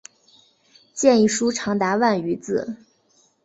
建议书长达万余字。